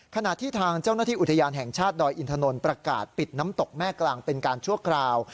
ขณะที่ทางเจ้าหน้าที่อุทยานแห่งชาติดอยอินทนนทประกาศปิดน้ำตกแม่กลางเป็นการชั่วคราว